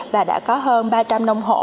và đã có hơn ba trăm linh nông hộ